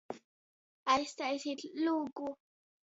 Aiztaisit lūgu!